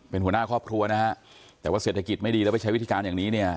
เป็นหัวหน้าครอบครัวนะฮะแต่ว่าเศรษฐกิจไม่ดีแล้วไปใช้วิธีการอย่างนี้เนี่ย